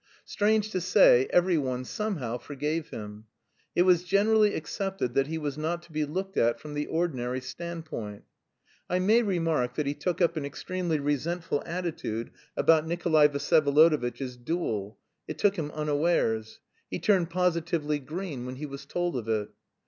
Strange to say, every one, somehow, forgave him. It was generally accepted that he was not to be looked at from the ordinary standpoint. I may remark that he took up an extremely resentful attitude about Nikolay Vsyevolodovitch's duel. It took him unawares. He turned positively green when he was told of it.